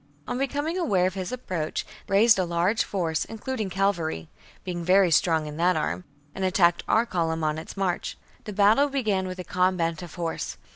On becoming aware of his approach, they raised a large force, including cavalry (being very strong in that arm), and attacked our column on its march. The battle began with a combat of horse.